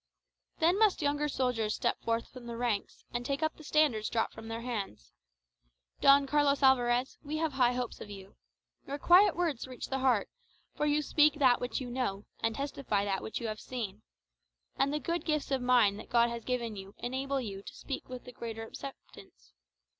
"Then must younger soldiers step forth from the ranks, and take up the standards dropped from their hands. Don Carlos Alvarez, we have high hopes of you. Your quiet words reach the heart; for you speak that which you know, and testify that which you have seen. And the good gifts of mind that God has given you enable you to speak with the greater acceptance.